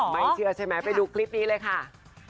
ไม่เชื่อใช่ไหมไปดูคลิปนี้เลยค่ะ